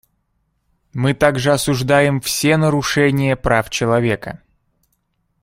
Мы также осуждаем все нарушения прав человека.